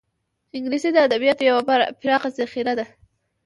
انګلیسي د ادبیاتو یوه پراخه ذخیره لري